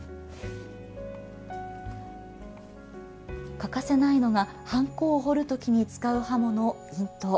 欠かせないのがはんこを彫る時に使う刃物印刀。